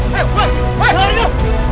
kau mau ngapain ini lu